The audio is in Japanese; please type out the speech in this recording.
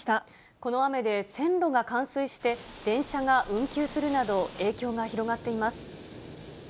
この雨で線路が冠水して、電車が運休するなど、影響が広がっています。